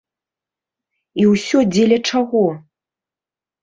І ўсё дзеля чаго?